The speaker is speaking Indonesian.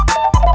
kau mau kemana